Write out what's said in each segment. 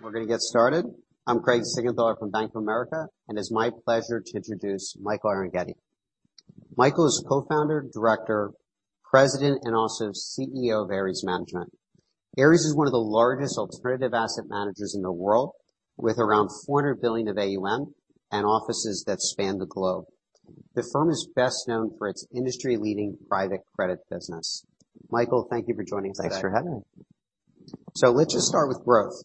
We're gonna get started. I'm Craig Siegenthaler from Bank of America, it's my pleasure to introduce Michael Arougheti. Michael is Co-founder, Director, President, and also CEO of Ares Management. Ares is one of the largest alternative asset managers in the world, with around $400 billion of AUM and offices that span the globe. The firm is best known for its industry-leading private credit business. Michael, thank you for joining us today. Thanks for having me. Let's just start with growth.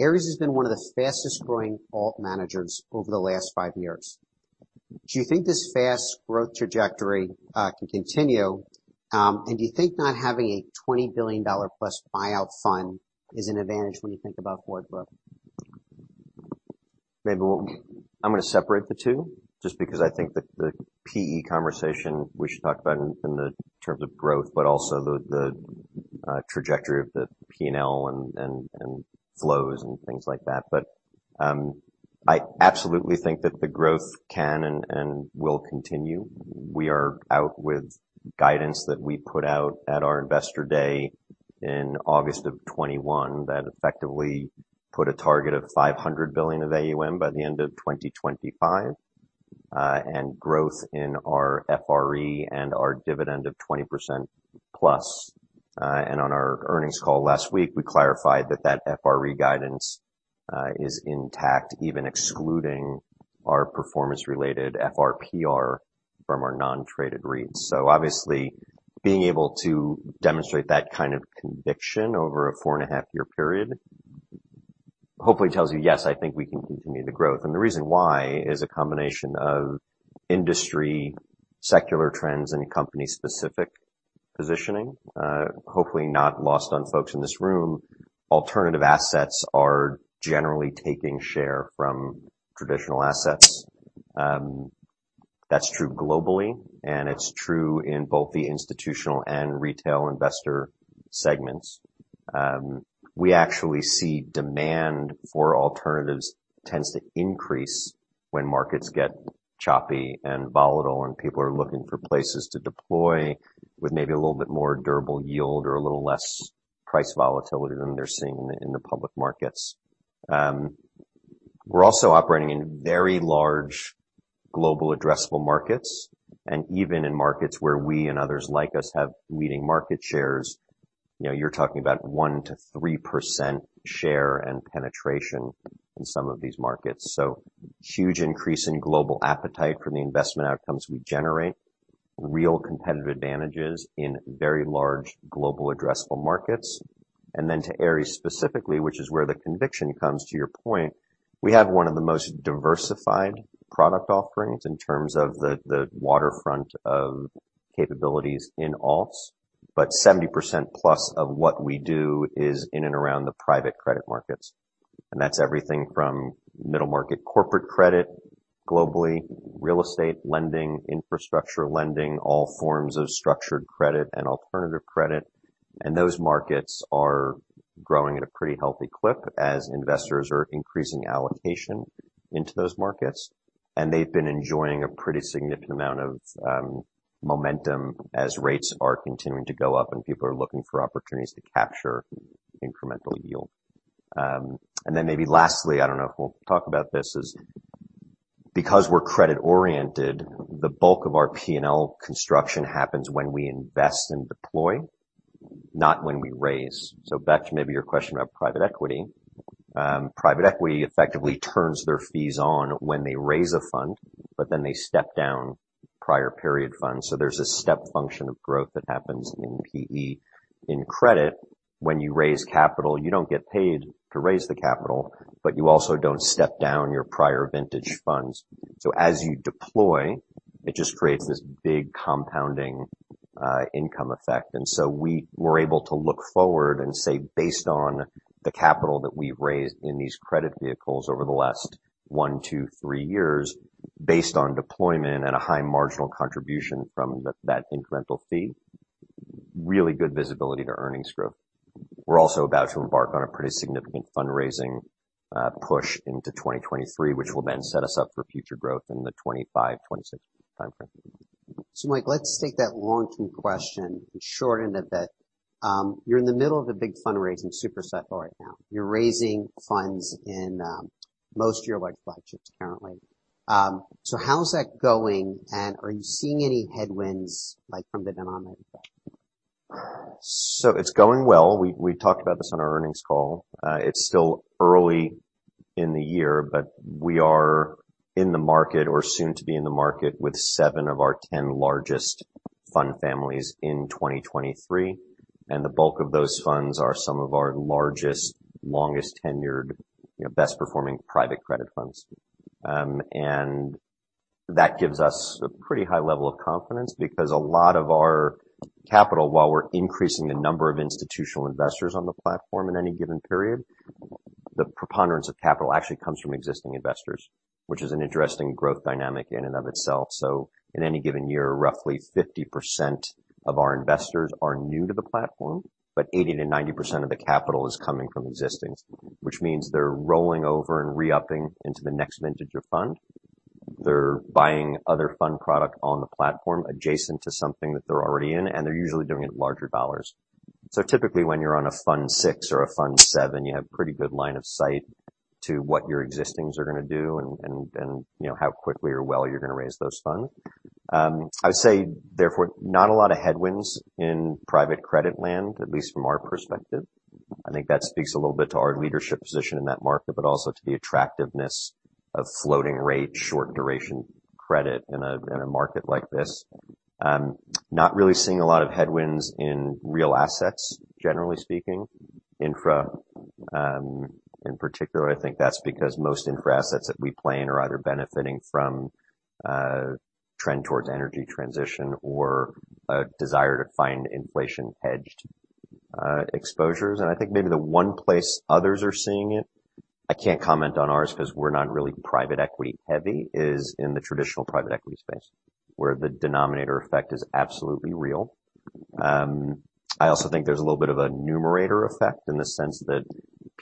Ares has been one of the fastest-growing alt managers over the last five years. Do you think this fast growth trajectory can continue? Do you think not having a $20 billion+ buyout fund is an advantage when you think about forward growth? Maybe I'm gonna separate the two, just because I think that the PE conversation we should talk about in the terms of growth, but also the trajectory of the P&L and flows and things like that. I absolutely think that the growth can and will continue. We are out with guidance that we put out at our Investor Day in August of 2021 that effectively put a target of $500 billion of AUM by the end of 2025, and growth in our FRE and our dividend of 20%+. On our earnings call last week, we clarified that that FRE guidance is intact, even excluding our performance-related FRE from our non-traded REITs. Obviously, being able to demonstrate that kind of conviction over a four and a half year period hopefully tells you, yes, I think we can continue the growth. The reason why is a combination of industry, secular trends, and company specific positioning. Hopefully not lost on folks in this room, alternative assets are generally taking share from traditional assets. That's true globally, and it's true in both the institutional and retail investor segments. We actually see demand for alternatives tends to increase when markets get choppy and volatile and people are looking for places to deploy with maybe a little bit more durable yield or a little less price volatility than they're seeing in the, in the public markets. We're also operating in very large global addressable markets. Even in markets where we and others like us have leading market shares, you know, you're talking about 1%-3% share and penetration in some of these markets. Huge increase in global appetite for the investment outcomes we generate, real competitive advantages in very large global addressable markets. To Ares specifically, which is where the conviction comes, to your point, we have one of the most diversified product offerings in terms of the waterfront of capabilities in alts, but 70%+ of what we do is in and around the private credit markets. That's everything from middle market corporate credit globally, real estate lending, infrastructure lending, all forms of structured credit and alternative credit. Those markets are growing at a pretty healthy clip as investors are increasing allocation into those markets. They've been enjoying a pretty significant amount of momentum as rates are continuing to go up and people are looking for opportunities to capture incremental yield. Maybe lastly, I don't know if we'll talk about this, is because we're credit-oriented, the bulk of our P&L construction happens when we invest and deploy, not when we raise. Back to maybe your question about private equity. Private equity effectively turns their fees on when they raise a fund, they step down prior period funds. There's a step function of growth that happens in PE. In credit, when you raise capital, you don't get paid to raise the capital, you also don't step down your prior vintage funds. As you deploy, it just creates this big compounding income effect. We were able to look forward and say, based on the capital that we've raised in these credit vehicles over the last one, two, three years, based on deployment and a high marginal contribution from that incremental fee, really good visibility to earnings growth. We're also about to embark on a pretty significant fundraising push into 2023, which will then set us up for future growth in the 2025, 2026 timeframe. Mike, let's take that long-term question and shorten it a bit. You're in the middle of a big fundraising super cycle right now. You're raising funds in, most of your large flagships currently. How's that going, and are you seeing any headwinds, like from the denominator effect? It's going well. We talked about this on our earnings call. It's still early in the year, but we are in the market or soon to be in the market with seven of our 10 largest fund families in 2023. The bulk of those funds are some of our largest, longest tenured, you know, best performing private credit funds. That gives us a pretty high level of confidence because a lot of our capital, while we're increasing the number of institutional investors on the platform in any given period, the preponderance of capital actually comes from existing investors, which is an interesting growth dynamic in and of itself. In any given year, roughly 50% of our investors are new to the platform, but 80%-90% of the capital is coming from existing, which means they're rolling over and re-upping into the next vintage of fund. They're buying other fund product on the platform adjacent to something that they're already in, and they're usually doing it in larger dollars. Typically, when you're on a fund six or a fund seven, you have pretty good line of sight to what your existings are gonna do and, you know, how quickly or well you're gonna raise those funds. I would say therefore, not a lot of headwinds in private credit land, at least from our perspective. I think that speaks a little bit to our leadership position in that market, but also to the attractiveness of floating rate, short duration credit in a, in a market like this. Not really seeing a lot of headwinds in real assets, generally speaking. Infra, in particular, I think that's because most infra assets that we play in are either benefiting from a trend towards energy transition or a desire to find inflation-hedged, exposures. I think maybe the one place others are seeing it, I can't comment on ours because we're not really private equity heavy, is in the traditional private equity space, where the denominator effect is absolutely real. I also think there's a little bit of a numerator effect in the sense that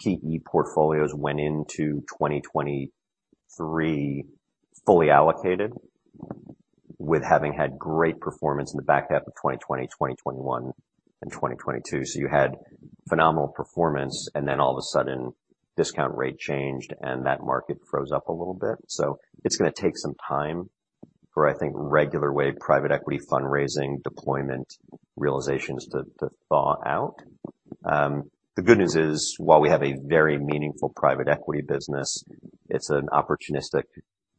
PE portfolios went into 2023 fully allocated with having had great performance in the back half of 2020, 2021 and 2022. You had phenomenal performance, and then all of a sudden discount rate changed and that market froze up a little bit. It's gonna take some time for, I think, regular way private equity fundraising deployment realizations to thaw out. The good news is, while we have a very meaningful private equity business, it's an opportunistic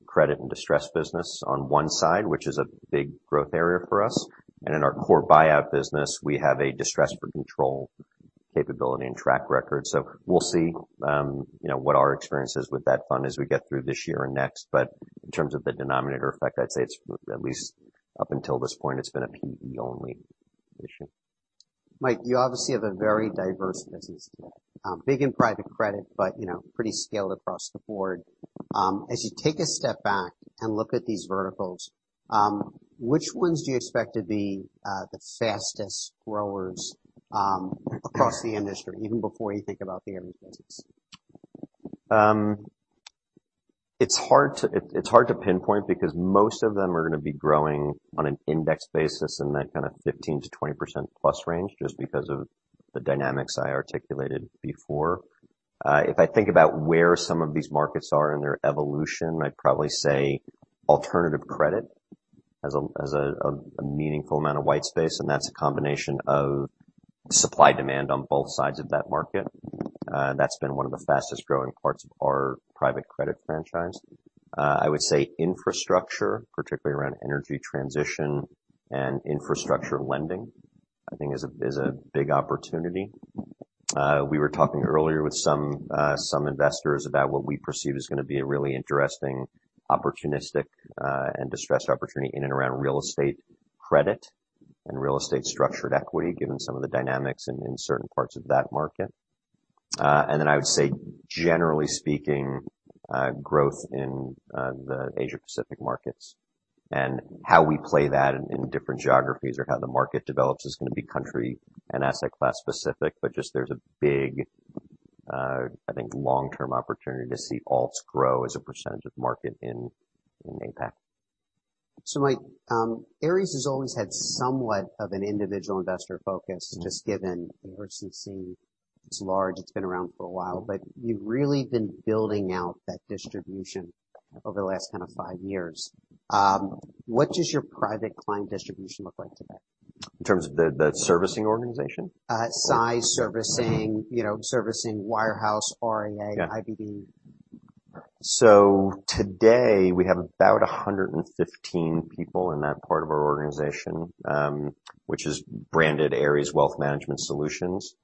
credit and distress business on one side, which is a big growth area for us. In our core buyout business, we have a distress for control capability and track record. We'll see, you know, what our experience is with that fund as we get through this year and next. In terms of the denominator effect, I'd say it's at least up until this point, it's been a PE only issue. Mike, you obviously have a very diverse business, big in private credit, but, you know, pretty scaled across the board. As you take a step back and look at these verticals, which ones do you expect to be the fastest growers, across the industry, even before you think about the Ares business? It's hard to pinpoint because most of them are gonna be growing on an index basis in that kind of 15%-20%+ range just because of the dynamics I articulated before. If I think about where some of these markets are in their evolution, I'd probably say alternative credit has a meaningful amount of white space, and that's a combination of supply demand on both sides of that market. That's been one of the fastest-growing parts of our private credit franchise. I would say infrastructure, particularly around energy transition and infrastructure lending, I think is a big opportunity. We were talking earlier with some investors about what we perceive is gonna be a really interesting opportunistic and distressed opportunity in and around real estate credit and real estate structured equity, given some of the dynamics in certain parts of that market. And then I would say generally speaking, growth in the Asia Pacific markets and how we play that in different geographies or how the market develops is gonna be country and asset class specific. Just there's a big, I think, long-term opportunity to see alts grow as a % of market in APAC. Mike, Ares has always had somewhat of an individual investor focus just given ARCC is large, it's been around for a while, but you've really been building out that distribution over the last kind of five years. What does your private client distribution look like today? In terms of the servicing organization? Size servicing, you know, servicing wirehouse, RIA, IBD. Today we have about 115 people in that part of our organization, which is branded Ares Wealth Management Solutions.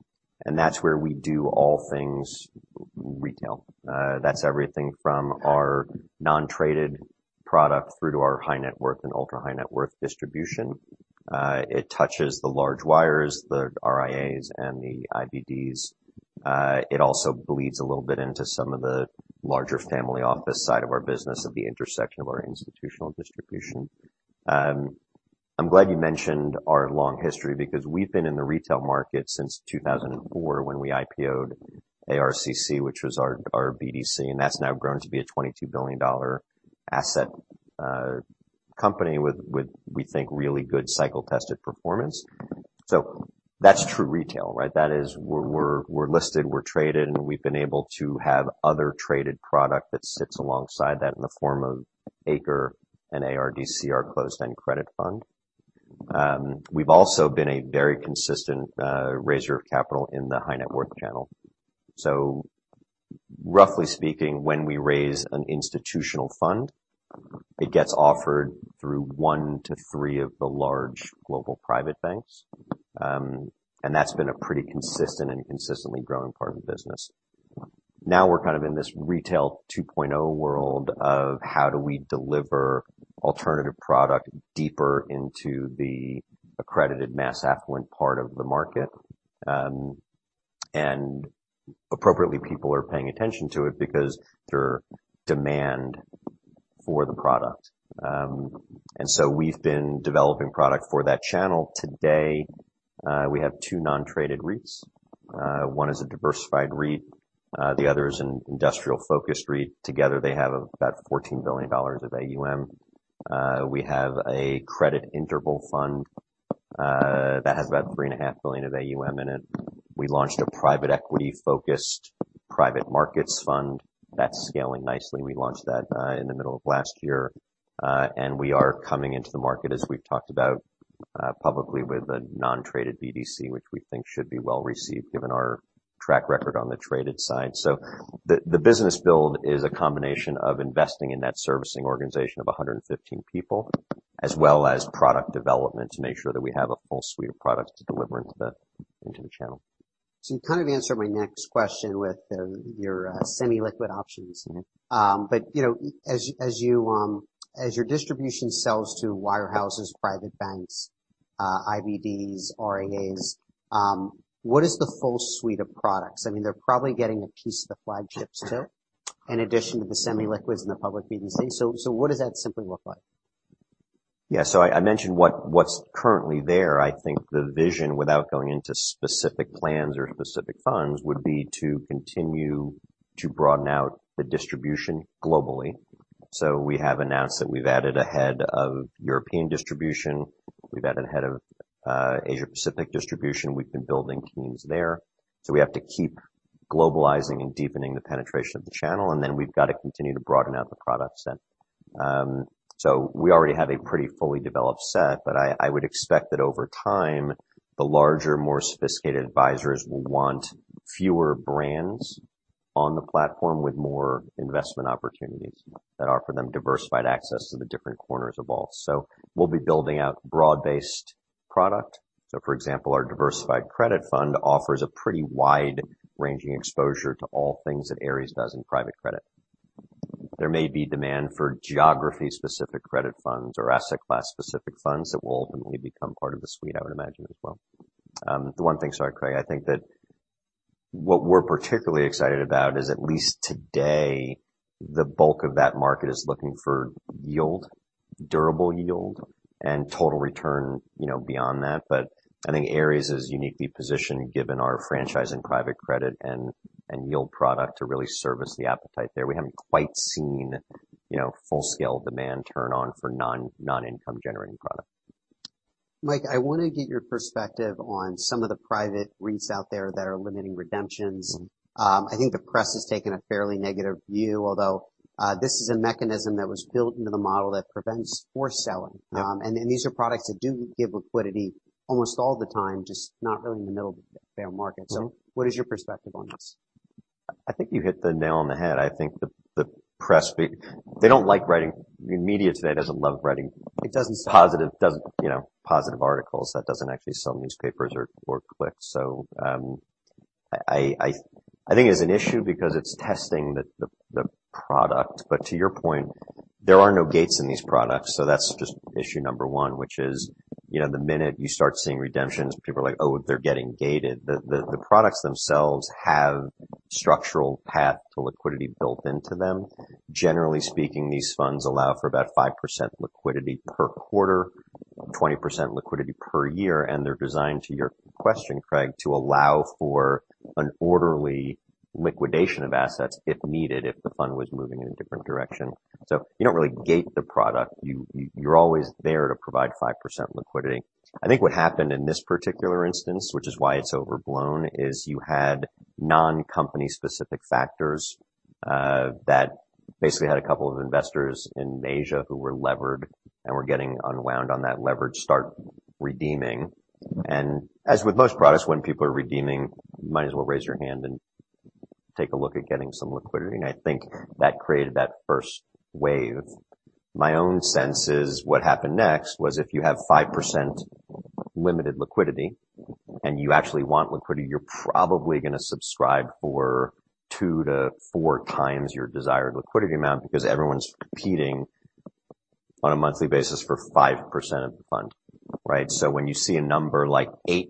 That's where we do all things retail. That's everything from our non-traded product through to our high net worth and ultra high net worth distribution. It touches the large wires, the RIAs and the IBDs. It also bleeds a little bit into some of the larger family office side of our business at the intersection of our institutional distribution. I'm glad you mentioned our long history because we've been in the retail market since 2004 when we IPO'd ARCC, which was our BDC, and that's now grown to be a $22 billion asset company with, we think, really good cycle-tested performance. That's true retail, right? That is we're listed, we're traded. We've been able to have other traded product that sits alongside that in the form of ACRE and ARDC, our closed-end credit fund. We've also been a very consistent raiser of capital in the high net worth channel. Roughly speaking, when we raise an institutional fund, it gets offered through one to three of the large global private banks. That's been a pretty consistent and consistently growing part of the business. Now we're kind of in this retail 2.0 world of how do we deliver alternative product deeper into the accredited mass affluent part of the market. Appropriately, people are paying attention to it because there are demand for the product. We've been developing product for that channel. Today, we have two non-traded REITs. One is a diversified REIT. The other is an industrial-focused REIT. Together they have about $14 billion of AUM. We have a credit interval fund that has about $3.5 billion of AUM in it. We launched a private equity-focused private markets fund that's scaling nicely. We launched that in the middle of last year. We are coming into the market, as we've talked about publicly with a non-traded BDC, which we think should be well received given our track record on the traded side. The, the business build is a combination of investing in that servicing organization of 115 people, as well as product development to make sure that we have a full suite of products to deliver into the, into the channel. You kind of answered my next question with your semi-liquid options. Mm-hmm. You know, as you, as you, as your distribution sells to wirehouses, private banks, IBDs, RIAs, what is the full suite of products? I mean, they're probably getting a piece of the flagships too, in addition to the semi-liquids and the public BDCs. What does that simply look like? Yeah. I mentioned what's currently there. I think the vision, without going into specific plans or specific funds, would be to continue to broaden out the distribution globally. We have announced that we've added a Head of European distribution. We've added a Head of Asia Pacific distribution. We've been building teams there. We have to keep globalizing and deepening the penetration of the channel, and then we've got to continue to broaden out the product set. We already have a pretty fully developed set, but I would expect that over time, the larger, more sophisticated advisors will want fewer brands on the platform with more investment opportunities that offer them diversified access to the different corners of alts. We'll be building out broad-based product. For example, our diversified credit fund offers a pretty wide-ranging exposure to all things that Ares does in private credit. There may be demand for geography-specific credit funds or asset class-specific funds that will ultimately become part of the suite, I would imagine as well. The one thing, Sorry, Craig, I think that what we're particularly excited about is, at least today, the bulk of that market is looking for yield, durable yield and total return, you know, beyond that. I think Ares is uniquely positioned given our franchise in private credit and yield product to really service the appetite there. We haven't quite seen, you know, full-scale demand turn on for non-income generating product. Mike, I wanna get your perspective on some of the private REITs out there that are limiting redemptions. I think the press has taken a fairly negative view, although, this is a mechanism that was built into the model that prevents for selling. Yeah. These are products that do give liquidity almost all the time, just not really in the middle of a fair market. Yeah. What is your perspective on this? I think you hit the nail on the head. I think they don't like writing. The media today doesn't love writing, it doesn't, you know, positive articles. That doesn't actually sell newspapers or clicks. I think it's an issue because it's testing the product. To your point, there are no gates in these products, that's just issue number one, which is, you know, the minute you start seeing redemptions, people are like, "Oh, they're getting gated." The products themselves have structural path to liquidity built into them. Generally speaking, these funds allow for about 5% liquidity per quarter, 20% liquidity per year, and they're designed, to your question, Craig, to allow for an orderly liquidation of assets if needed if the fund was moving in a different direction. You don't really gate the product. You, you're always there to provide 5% liquidity. I think what happened in this particular instance, which is why it's overblown, is you had non-company specific factors that basically had a couple of investors in Asia who were levered and were getting unwound on that leverage start redeeming. As with most products, when people are redeeming, you might as well raise your hand and take a look at getting some liquidity. I think that created that first wave. My own sense is what happened next was if you have 5% limited liquidity and you actually want liquidity, you're probably gonna subscribe for two to four times your desired liquidity amount because everyone's competing on a monthly basis for 5% of the fund, right? When you see a number like 8%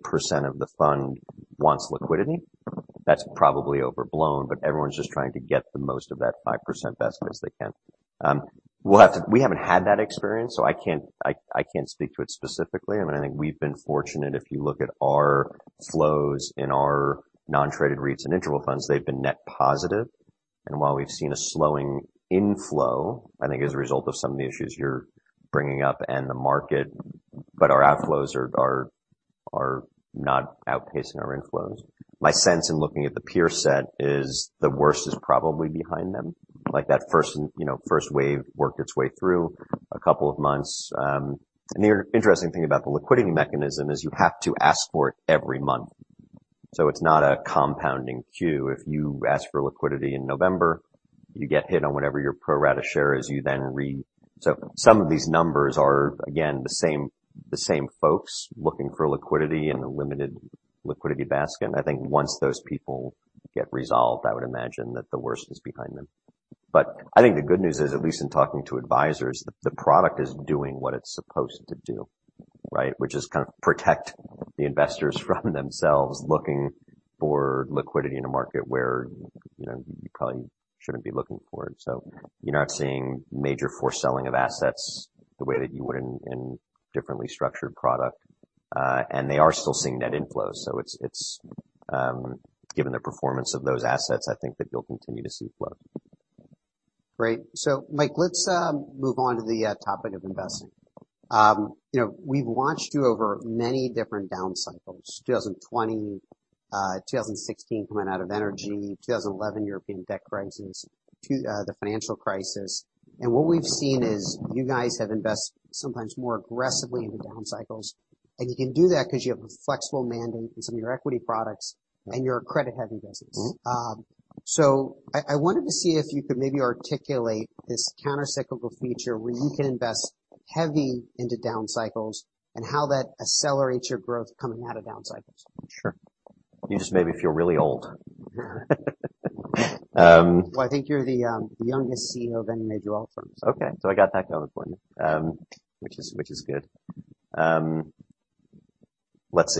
of the fund wants liquidity, that's probably overblown, but everyone's just trying to get the most of that 5% best as they can. We haven't had that experience, so I can't speak to it specifically. I mean, I think we've been fortunate if you look at our flows in our non-traded REITs and interval funds, they've been net positive. While we've seen a slowing inflow, I think as a result of some of the issues you're bringing up and the market, but our outflows are not outpacing our inflows. My sense in looking at the peer set is the worst is probably behind them. That first, you know, first wave worked its way through a couple of months. The interesting thing about the liquidity mechanism is you have to ask for it every month. It's not a compounding queue. If you ask for liquidity in November, you get hit on whatever your pro rata share is. Some of these numbers are, again, the same folks looking for liquidity in a limited liquidity basket. I think once those people get resolved, I would imagine that the worst is behind them. I think the good news is, at least in talking to advisors, the product is doing what it's supposed to do, right? Which is kind of protect the investors from themselves looking for liquidity in a market where, you know, you probably shouldn't be looking for it. You're not seeing major foreselling of assets the way that you would in differently structured product. They are still seeing net inflows. It's given the performance of those assets, I think that you'll continue to see flow. Great. Mike, let's move on to the topic of investing. you know, we've watched you over many different down cycles, 2020, 2016 coming out of energy, 2011 European debt crisis to the financial crisis. What we've seen is you guys have invested sometimes more aggressively in the down cycles, and you can do that because you have a flexible mandate in some of your equity products- Yeah. You're a credit-heavy business. Mm-hmm. I wanted to see if you could maybe articulate this countercyclical feature where you can invest heavy into down cycles and how that accelerates your growth coming out of down cycles. Sure. You just made me feel really old. I think you're the youngest CEO of any major alt firm, so. I got that going for me, which is good. Let's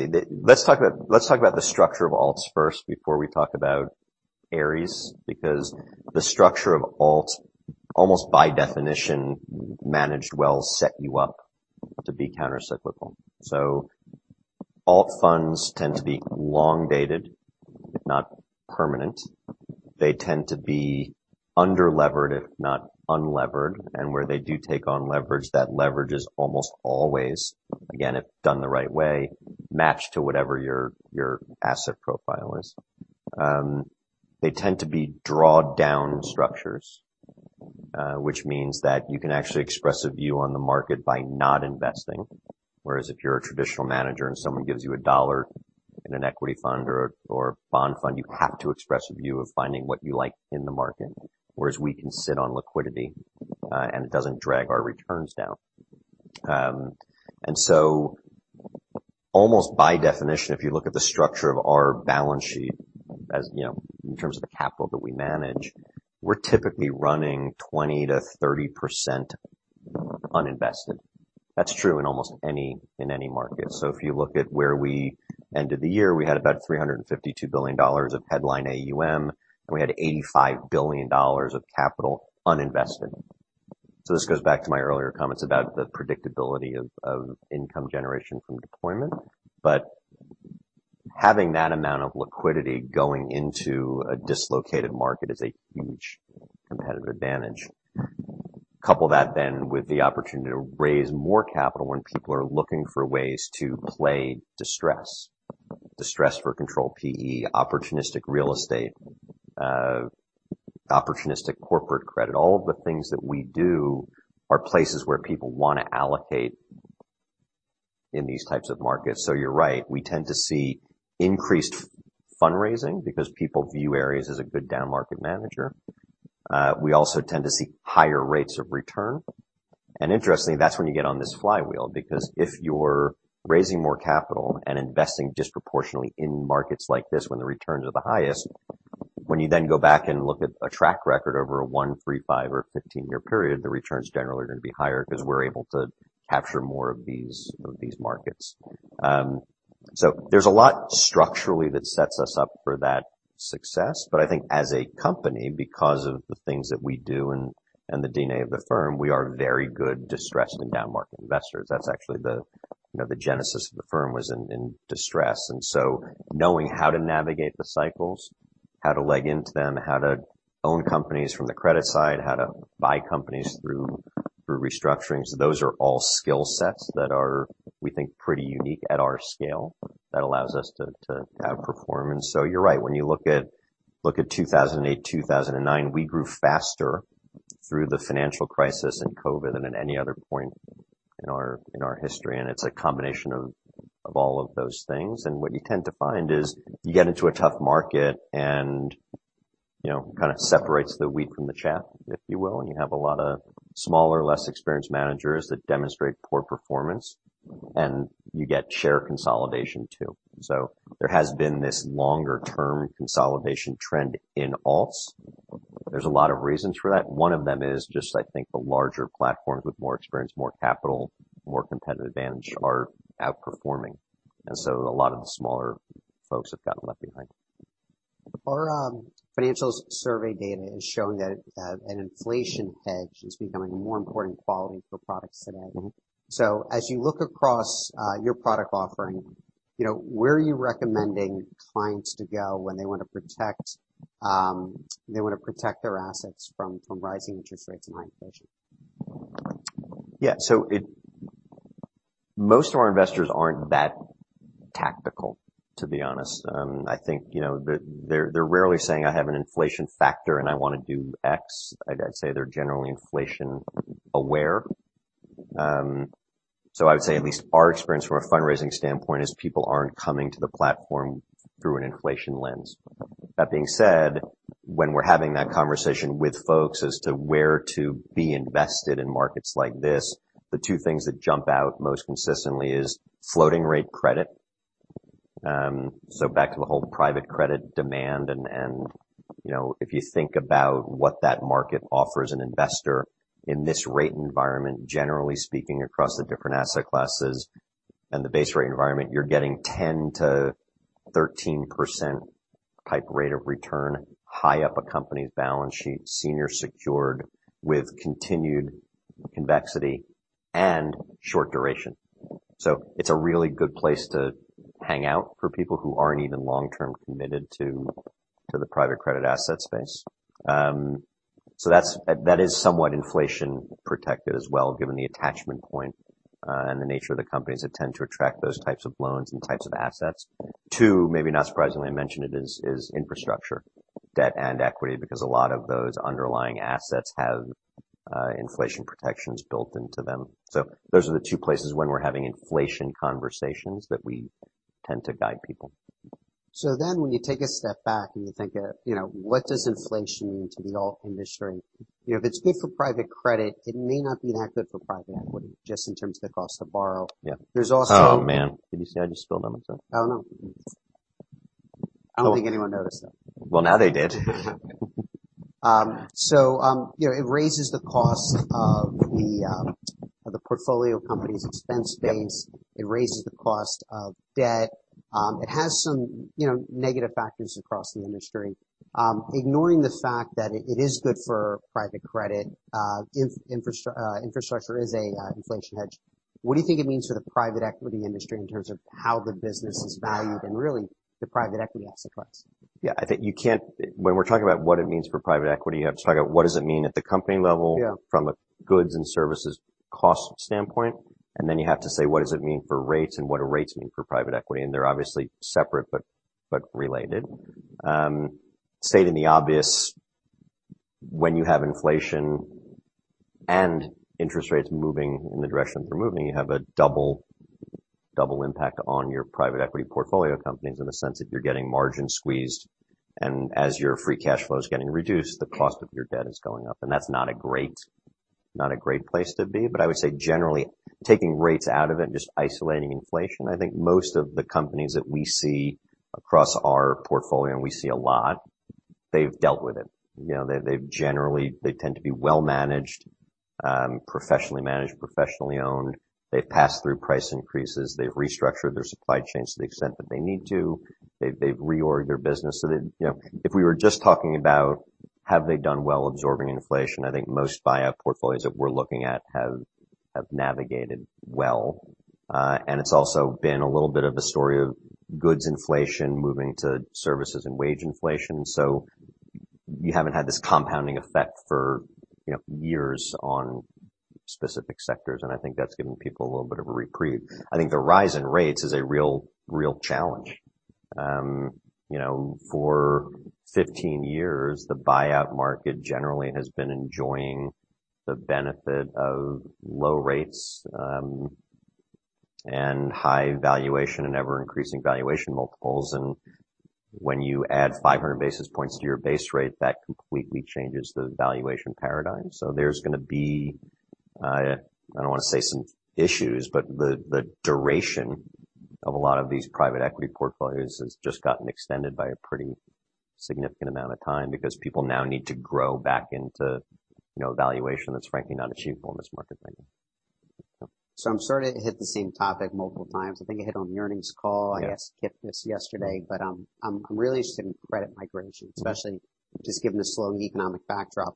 talk about, let's talk about the structure of alts first before we talk about Ares, because the structure of alt, almost by definition, managed well, set you up to be countercyclical. Alt funds tend to be long-dated, if not permanent. They tend to be under-levered, if not unlevered. Where they do take on leverage, that leverage is almost always, again, if done the right way, matched to whatever your asset profile is. They tend to be drawdown structures, which means that you can actually express a view on the market by not investing. Whereas if you're a traditional manager and someone gives you a dollar in an equity fund or bond fund, you have to express a view of finding what you like in the market, whereas we can sit on liquidity, and it doesn't drag our returns down. almost by definition, if you look at the structure of our balance sheet, as you know, in terms of the capital that we manage, we're typically running 20% to 30% uninvested. That's true in almost any, in any market. If you look at where we ended the year, we had about $352 billion of headline AUM, and we had $85 billion of capital uninvested. This goes back to my earlier comments about the predictability of income generation from deployment. Having that amount of liquidity going into a dislocated market is a huge competitive advantage. Couple that then with the opportunity to raise more capital when people are looking for ways to play distress for control PE, opportunistic real estate, opportunistic corporate credit, all the things that we do are places where people wanna allocate in these types of markets. You're right, we tend to see increased fundraising because people view Ares as a good down market manager. We also tend to see higher rates of return. Interestingly, that's when you get on this flywheel, because if you're raising more capital and investing disproportionately in markets like this when the returns are the highest, when you then go back and look at a track record over a one, three, five or 15-year period, the returns generally are gonna be higher 'cause we're able to capture more of these, of these markets. So there's a lot structurally that sets us up for that success. I think as a company, because of the things that we do and the DNA of the firm, we are very good distressed and down market investors. That's actually the, you know, the genesis of the firm was in distress. Knowing how to navigate the cycles, how to leg into them, how to own companies from the credit side, how to buy companies through restructurings, those are all skill sets that are, we think, pretty unique at our scale that allows us to outperform. You're right, when you look at 2008, 2009, we grew faster through the financial crisis and COVID than at any other point in our history. It's a combination of all of those things. What you tend to find is you get into a tough market and, you know, kind of separates the wheat from the chaff, if you will, and you have a lot of smaller, less experienced managers that demonstrate poor performance, and you get share consolidation too. There has been this longer term consolidation trend in alts. There's a lot of reasons for that. One of them is just I think the larger platforms with more experience, more capital, more competitive advantage are outperforming. A lot of the smaller folks have gotten left behind. Our financials survey data is showing that an inflation hedge is becoming a more important quality for products today. As you look across your product offering, you know, where are you recommending clients to go when they wanna protect, they wanna protect their assets from rising interest rates and high inflation? Yeah. Most of our investors aren't that tactical, to be honest. I think, you know, they're rarely saying, "I have an inflation factor and I wanna do X." I'd say they're generally inflation aware. I would say at least our experience from a fundraising standpoint is people aren't coming to the platform through an inflation lens. That being said, when we're having that conversation with folks as to where to be invested in markets like this, the two things that jump out most consistently is floating rate credit. Back to the whole private credit demand and, you know, if you think about what that market offers an investor in this rate environment, generally speaking, across the different asset classes and the base rate environment, you're getting 10%-13%Type rate of return, high up a company's balance sheet, senior secured with continued convexity and short duration. It's a really good place to hang out for people who aren't even long-term committed to the private credit asset space. That is somewhat inflation protected as well, given the attachment point and the nature of the companies that tend to attract those types of loans and types of assets. Two, maybe not surprisingly, I mentioned it is infrastructure, debt and equity, because a lot of those underlying assets have inflation protections built into them. Those are the two places when we're having inflation conversations that we tend to guide people. When you take a step back and you think of, you know, what does inflation mean to the alt industry? You know, if it's good for private credit, it may not be that good for private equity, just in terms of the cost to borrow. Yeah. There's also- Oh, man. Did you see I just spilled on myself? Oh, no. I don't think anyone noticed, though. Well, now they did. You know, it raises the cost of the portfolio company's expense base. It raises the cost of debt. It has some, you know, negative factors across the industry. Ignoring the fact that it is good for private credit, infrastructure is an inflation hedge. What do you think it means for the private equity industry in terms of how the business is valued and really the private equity asset class? When we're talking about what it means for private equity, you have to talk about what does it mean at the company level. Yeah. From a goods and services cost standpoint, and then you have to say, what does it mean for rates and what do rates mean for private equity? They're obviously separate but related. Stating the obvious, when you have inflation and interest rates moving in the direction they're moving, you have a double impact on your private equity portfolio companies in the sense that you're getting margin squeezed, and as your free cash flow is getting reduced, the cost of your debt is going up. That's not a great place to be. I would say generally, taking rates out of it and just isolating inflation, I think most of the companies that we see across our portfolio, and we see a lot, they've dealt with it. You know, they tend to be well managed, professionally managed, professionally owned. They've passed through price increases. They've restructured their supply chains to the extent that they need to. They've reorg'd their business. That, if we were just talking about have they done well absorbing inflation, I think most buyout portfolios that we're looking at have navigated well. It's also been a little bit of a story of goods inflation moving to services and wage inflation. You haven't had this compounding effect for years on specific sectors, I think that's given people a little bit of a reprieve. I think the rise in rates is a real challenge. For 15 years, the buyout market generally has been enjoying the benefit of low rates, high valuation and ever-increasing valuation multiples. When you add 500 basis points to your base rate, that completely changes the valuation paradigm. There's gonna be, I don't wanna say some issues, but the duration of a lot of these private equity portfolios has just gotten extended by a pretty significant amount of time because people now need to grow back into, you know, a valuation that's frankly not achievable in this market right now. I'm sorry to hit the same topic multiple times. I think I hit on the earnings call. Yeah. I asked Kip this yesterday, but, I'm really interested in credit migration, especially just given the slowing economic backdrop.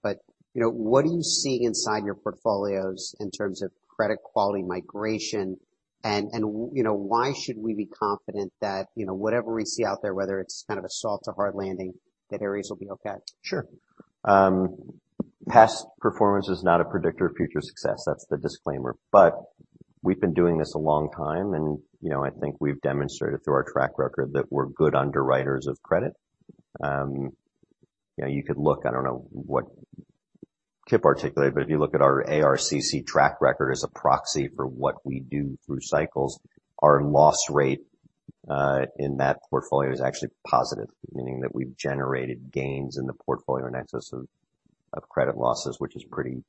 You know, what are you seeing inside your portfolios in terms of credit quality migration? You know, why should we be confident that, you know, whatever we see out there, whether it's kind of a soft or hard landing, that Ares will be okay? Sure. Past performance is not a predictor of future success. That's the disclaimer. We've been doing this a long time, and, you know, I think we've demonstrated through our track record that we're good underwriters of credit. You know, you could look, I don't know what Kip articulated, but if you look at our ARCC track record as a proxy for what we do through cycles, our loss rate in that portfolio is actually positive, meaning that we've generated gains in the portfolio in excess of credit losses, which is pretty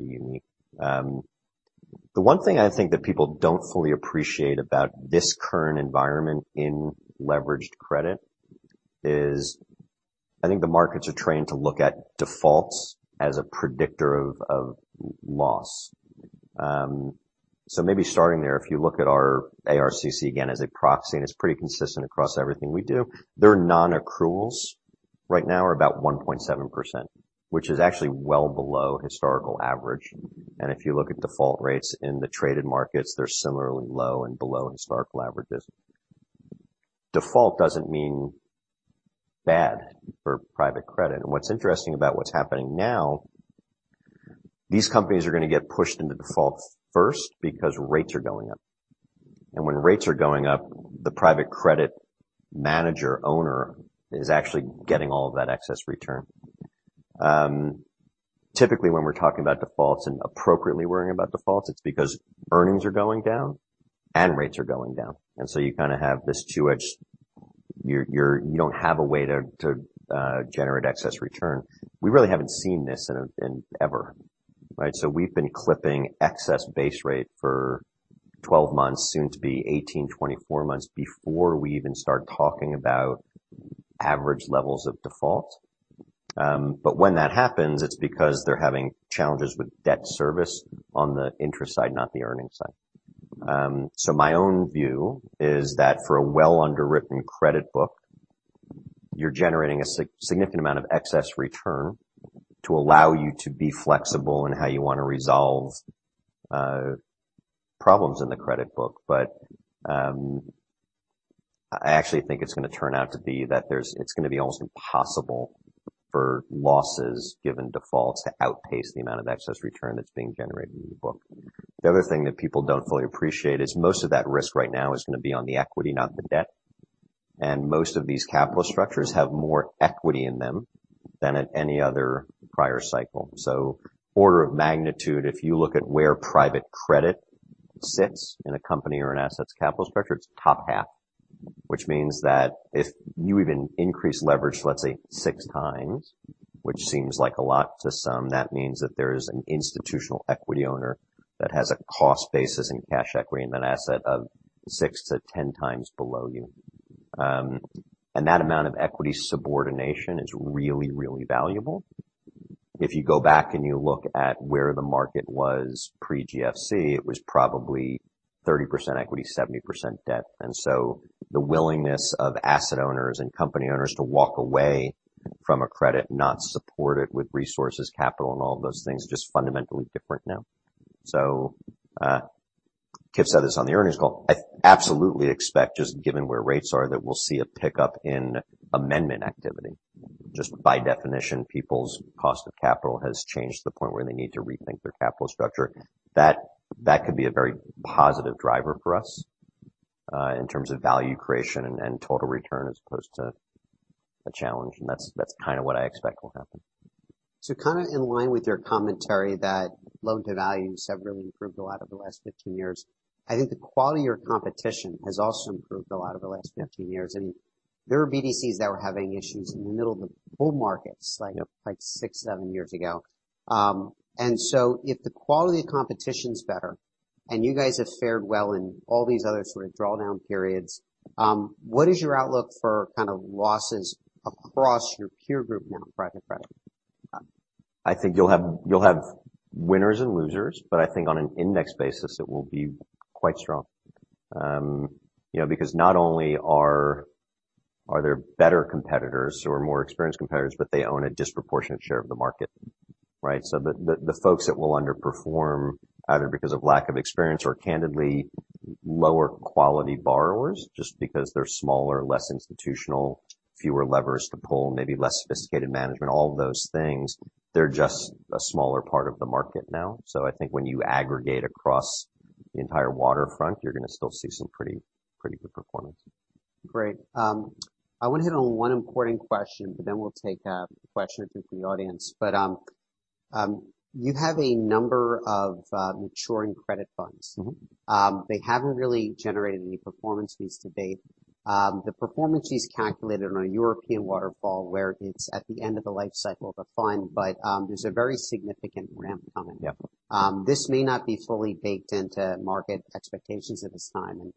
unique. The one thing I think that people don't fully appreciate about this current environment in leveraged credit is I think the markets are trained to look at defaults as a predictor of loss. Maybe starting there, if you look at our ARCC again as a proxy, it's pretty consistent across everything we do, their non-accruals right now are about 1.7%, which is actually well below historical average. If you look at default rates in the traded markets, they're similarly low and below historical averages. Default doesn't mean bad for private credit. What's interesting about what's happening now, these companies are gonna get pushed into default first because rates are going up. When rates are going up, the private credit manager owner is actually getting all of that excess return. Typically, when we're talking about defaults and appropriately worrying about defaults, it's because earnings are going down and rates are going down. You kinda have this two-edged... You don't have a way to generate excess return. We really haven't seen this in ever, right? We've been clipping excess base rate for 12 months, soon to be 18, 24 months before we even start talking about average levels of default. When that happens, it's because they're having challenges with debt service on the interest side, not the earnings side. My own view is that for a well underwritten credit book, you're generating a significant amount of excess return to allow you to be flexible in how you wanna resolve problems in the credit book. I actually think it's gonna turn out to be that it's gonna be almost impossible for losses given defaults to outpace the amount of excess return that's being generated in the book. The other thing that people don't fully appreciate is most of that risk right now is gonna be on the equity, not the debt. Most of these capital structures have more equity in them than at any other prior cycle. Order of magnitude, if you look at where private credit sits in a company or an assets capital structure, it's top half. Which means that if you even increase leverage, let's say six times, which seems like a lot to some, that means that there is an institutional equity owner that has a cost basis in cash equity in that asset of six to 10 times below you. That amount of equity subordination is really, really valuable. If you go back and you look at where the market was pre-GFC, it was probably 30% equity, 70% debt. The willingness of asset owners and company owners to walk away from a credit not supported with resources, capital, and all of those things are just fundamentally different now. Michael McFerran said this on the earnings call. I absolutely expect, just given where rates are, that we'll see a pickup in amendment activity. Just by definition, people's cost of capital has changed to the point where they need to rethink their capital structure. That could be a very positive driver for us in terms of value creation and total return as opposed to a challenge. That's kinda what I expect will happen. Kind of in line with your commentary that loan to values have really improved a lot over the last 15 years. I think the quality of competition has also improved a lot over the last 15 years. There are BDCs that were having issues in the middle of the bull markets, like six, seven years ago. If the quality of competition's better and you guys have fared well in all these other sort of drawdown periods, what is your outlook for kind of losses across your peer group now in private credit? I think you'll have, you'll have winners and losers, but I think on an index basis, it will be quite strong. you know, because not only are there better competitors or more experienced competitors, but they own a disproportionate share of the market, right? The folks that will underperform, either because of lack of experience or candidly lower quality borrowers, just because they're smaller, less institutional, fewer levers to pull, maybe less sophisticated management, all of those things, they're just a smaller part of the market now. I think when you aggregate across the entire waterfront, you're gonna still see some pretty good performance. Great. I wanna hit on one important question, but then we'll take a question or two from the audience. You have a number of maturing credit funds. Mm-hmm. They haven't really generated any performance fees to date. The performance fees calculated on a European waterfall where it's at the end of the life cycle of a fund, but there's a very significant ramp coming. Yeah. this may not be fully baked into market expectations at this time.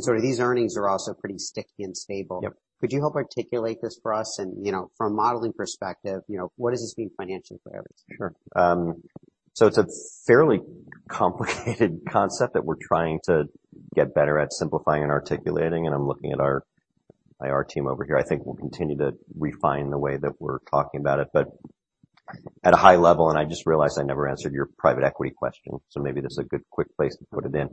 sort of these earnings are also pretty sticky and stable. Yep. Could you help articulate this for us? You know, from a modeling perspective, you know, what does this mean financially for Ares? Sure. It's a fairly complicated concept that we're trying to get better at simplifying and articulating, and I'm looking at our IR team over here. I think we'll continue to refine the way that we're talking about it. At a high level, and I just realized I never answered your private equity question, maybe this is a good quick place to put it in.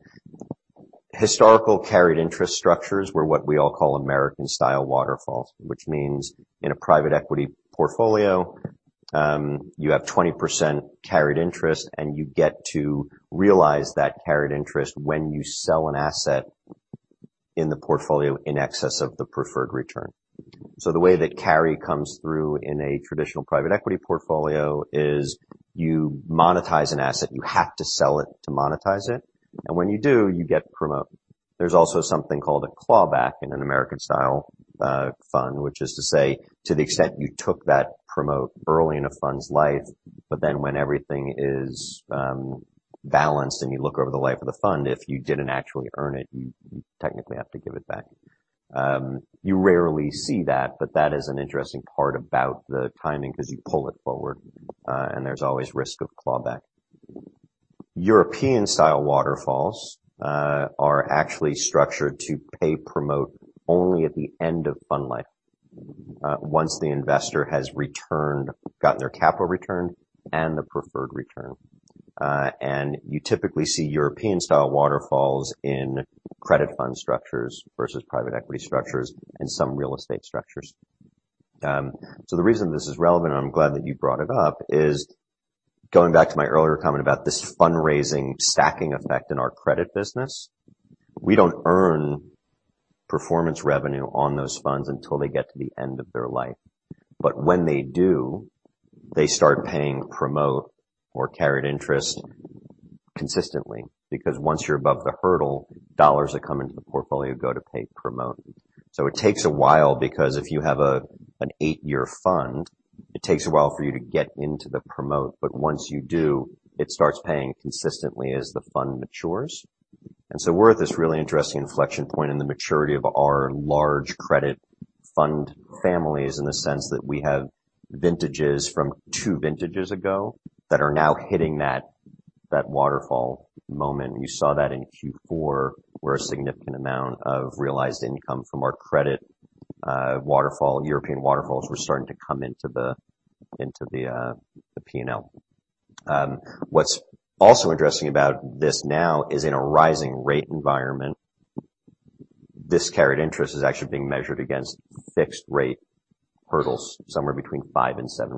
Historical carried interest structures were what we all call American-style waterfalls, which means in a private equity portfolio, you have 20% carried interest, and you get to realize that carried interest when you sell an asset in the portfolio in excess of the preferred return. The way that carry comes through in a traditional private equity portfolio is you monetize an asset, you have to sell it to monetize it, and when you do, you get promote. There's also something called a clawback in an American-style fund, which is to say, to the extent you took that promote early in a fund's life, but then when everything is balanced and you look over the life of the fund, if you didn't actually earn it, you technically have to give it back. You rarely see that, but that is an interesting part about the timing because you pull it forward, and there's always risk of clawback. European-style waterfalls are actually structured to pay promote only at the end of fund life, once the investor has gotten their capital returned and the preferred return. You typically see European-style waterfalls in credit fund structures versus private equity structures and some real estate structures. The reason this is relevant, I'm glad that you brought it up, is going back to my earlier comment about this fundraising stacking effect in our credit business. We don't earn performance revenue on those funds until they get to the end of their life. When they do, they start paying promote or carried interest consistently, because once you're above the hurdle, dollars that come into the portfolio go to pay promote. It takes a while because if you have an eight-year fund, it takes a while for you to get into the promote. Once you do, it starts paying consistently as the fund matures. We're at this really interesting inflection point in the maturity of our large credit fund families in the sense that we have vintages from two vintages ago that are now hitting that waterfall moment. You saw that in Q4, where a significant amount of realized income from our credit, European waterfalls were starting to come into the P&L. What's also interesting about this now is in a rising rate environment, this carried interest is actually being measured against fixed rate hurdles somewhere between 5% and 7%.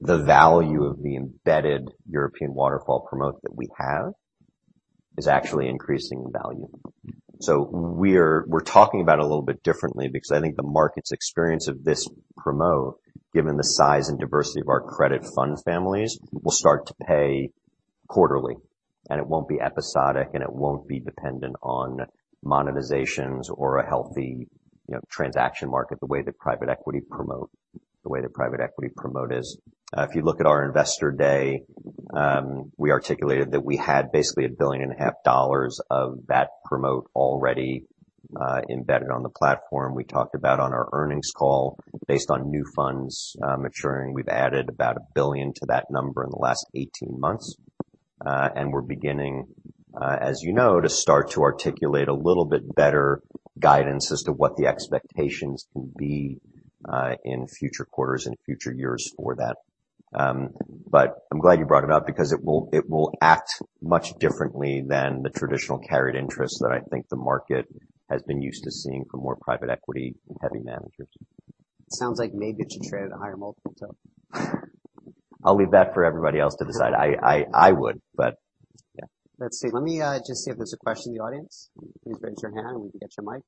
The value of the embedded European waterfall promote that we have is actually increasing in value. We're talking about it a little bit differently because I think the market's experience of this promote, given the size and diversity of our credit fund families, will start to pay quarterly, and it won't be episodic, and it won't be dependent on monetizations or a healthy, you know, transaction market the way the private equity promote is. If you look at our investor day, we articulated that we had basically $1.5 billion of that promote already embedded on the platform. We talked about on our earnings call based on new funds maturing. We've added about $1 billion to that number in the last 18 months. We're beginning, as you know, to start to articulate a little bit better guidance as to what the expectations can be in future quarters and future years for that. I'm glad you brought it up because it will, it will act much differently than the traditional carried interest that I think the market has been used to seeing from more private equity-heavy managers. Sounds like maybe it should trade at a higher multiple, so. I'll leave that for everybody else to decide. I would, but yeah. Let's see. Let me just see if there's a question in the audience. Please raise your hand and we can get you a mic.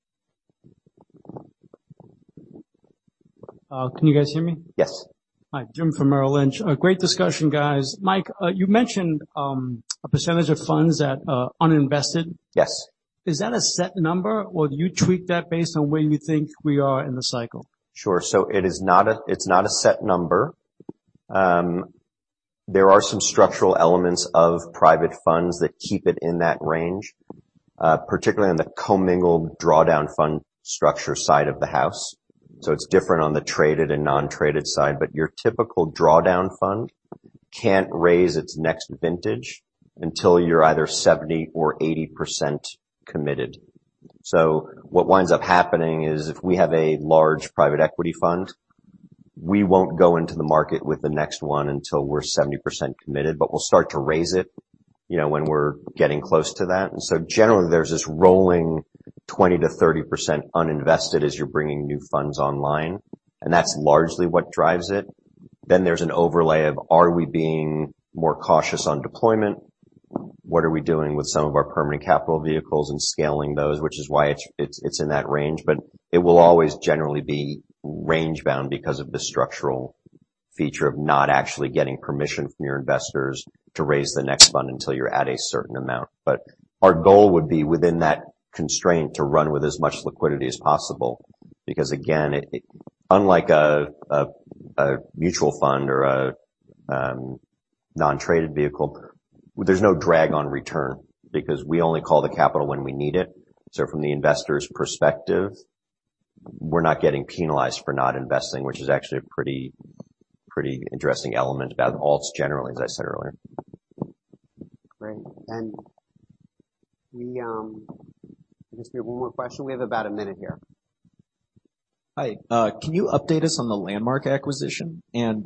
Can you guys hear me? Yes. Hi. Jim from Merrill Lynch. A great discussion, guys. Mike, you mentioned, a % of funds that are uninvested. Yes. Is that a set number, or do you tweak that based on where you think we are in the cycle? Sure. It is not a set number. There are some structural elements of private funds that keep it in that range, particularly on the commingled drawdown fund structure side of the house. It's different on the traded and non-traded side, but your typical drawdown fund can't raise its next vintage until you're either 70% or 80% committed. What winds up happening is if we have a large private equity fund, we won't go into the market with the next one until we're 70% committed, but we'll start to raise it, you know, when we're getting close to that. Generally there's this rolling 20%-30% uninvested as you're bringing new funds online, and that's largely what drives it. There's an overlay of are we being more cautious on deployment? What are we doing with some of our permanent capital vehicles and scaling those? Which is why it's in that range, but it will always generally be range bound because of the structural feature of not actually getting permission from your investors to raise the next fund until you're at a certain amount. Our goal would be within that constraint to run with as much liquidity as possible because again, it unlike a mutual fund or a non-traded vehicle, there's no drag on return because we only call the capital when we need it. From the investor's perspective, we're not getting penalized for not investing, which is actually a pretty interesting element about alts generally, as I said earlier. Great. We, I guess we have one more question. We have about a minute here. Hi. Can you update us on the Landmark acquisition and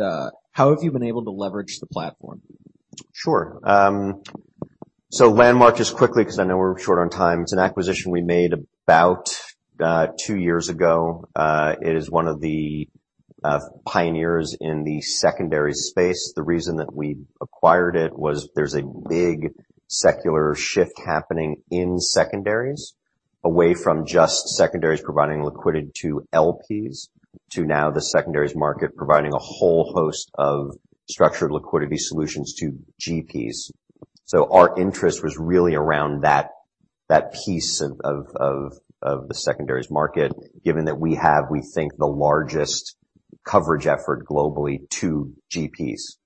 how have you been able to leverage the platform? Sure. So Landmark just quickly, 'cause I know we're short on time. It's an acquisition we made about two years ago. It is one of the pioneers in the secondaries space. The reason that we acquired it was there's a big secular shift happening in secondaries away from just secondaries providing liquidity to LPs, to now the secondaries market providing a whole host of structured liquidity solutions to GPs. Our interest was really around that piece of the secondaries market, given that we have we think the largest coverage effort globally to GPs,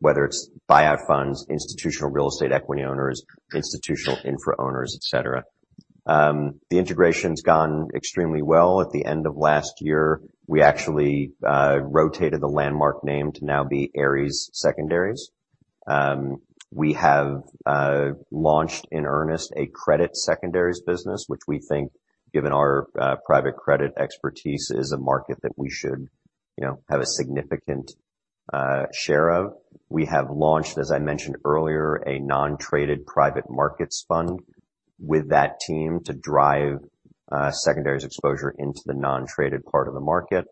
whether it's buyout funds, institutional real estate equity owners, institutional infra owners, et cetera. The integration's gone extremely well. At the end of last year, we actually rotated the Landmark name to now be Ares Secondaries. We have launched in earnest a credit secondaries business, which we think given our private credit expertise, is a market that we should, you know, have a significant share of. We have launched, as I mentioned earlier, a non-traded private markets fund with that team to drive secondaries exposure into the non-traded part of the market.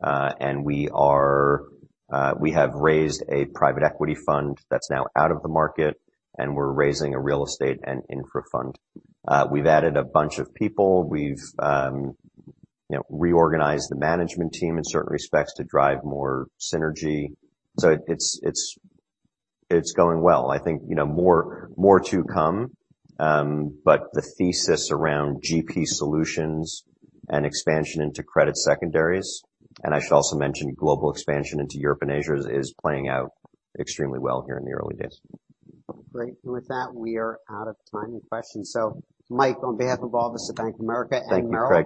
We have raised a private equity fund that's now out of the market, and we're raising a real estate and infra fund. We've added a bunch of people. We've, you know, reorganized the management team in certain respects to drive more synergy. It's going well. I think, you know, more to come. The thesis around GP solutions and expansion into credit secondaries, and I should also mention global expansion into Europe and Asia is playing out extremely well here in the early days. Great. With that, we are out of time and questions. Mike, on behalf of all of us at Bank of America and Merrill-